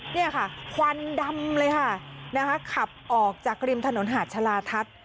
เนี่ยค่ะควันดำเลยค่ะนะคะขับออกจากริมถนนหาดชะลาทัศน์